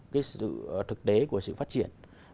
cái thực tế của sự phát triển